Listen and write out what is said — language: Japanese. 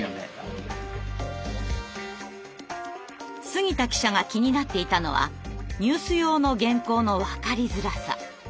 杉田記者が気になっていたのはニュース用の原稿のわかりづらさ。